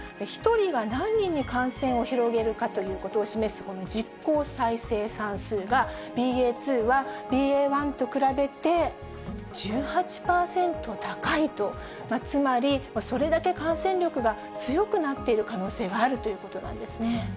１人が何人に感染を広げるかということを示す、この実効再生産数が、ＢＡ．２はＢＡ．１と比べて１８％高いと、つまり、それだけ感染力が強くなっている可能性があるということなんです